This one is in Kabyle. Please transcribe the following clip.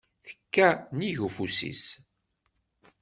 Tekka nnig ufus-is.